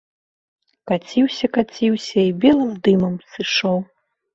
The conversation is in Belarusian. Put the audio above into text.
Каціўся, каціўся і белым дымам сышоў.